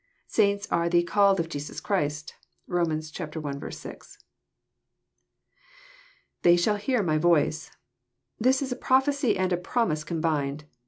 Saints are " the called of Jesus Christ." (Rom. 1. 6.) ITftey shall hear my voice.'] This is a prophecy and a promise combined.